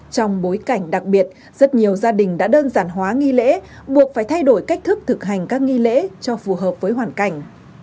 trong bối cảnh đặc biệt rất nhiều gia đình đã đơn giản hóa nghi lễ buộc phải thay đổi cách thức thực hành các nghi lễ cho phù hợp với hoàn cảnh